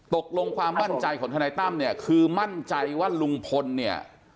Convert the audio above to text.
ตกลงความมั่นใจของทนายตั้มเนี่ยคือมั่นใจว่าลุงพลเนี่ย